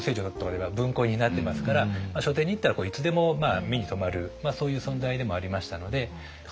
辺りは文庫になってますから書店に行ったらいつでも目に留まるそういう存在でもありましたので。